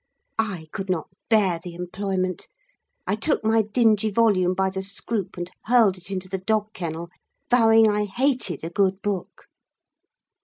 I could not bear the employment. I took my dingy volume by the scroop, and hurled it into the dog kennel, vowing I hated a good book.